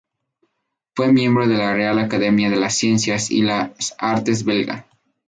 Fue miembro de la Real Academia de las Ciencias y las Artes Belga.